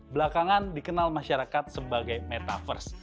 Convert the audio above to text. belakangan dikenal masyarakat sebagai metaverse